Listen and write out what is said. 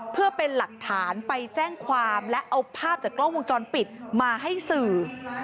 เพื่อเป็นหลักฐานไปแจ้งความและเอาภาพจากกล้องวงจรปิดมาให้สื่อ